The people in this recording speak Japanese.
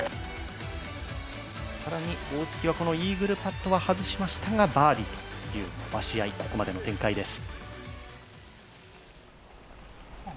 更に大槻はイーグルパットは外しましたがバーディーという伸ばし合い、ここまでの展開です。